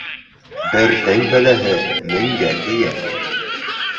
Берҙең бәләһе меңгә тейә.